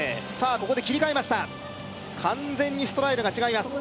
ここで切り替えました完全にストライドが違います